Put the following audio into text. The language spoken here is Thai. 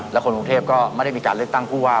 และคนกรุงเทพก็ไม่ได้มีการเลือกตั้งผู้ว่า